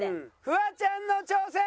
フワちゃんの挑戦！